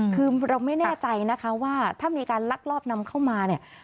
คือเราไม่แน่ใจนะคะว่าถ้ามีการลักลอบนำเข้ามาเนี่ย